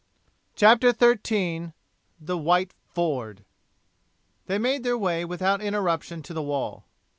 CHAPTER XIII: THE WHITE FORD They made their way without interruption to the wall.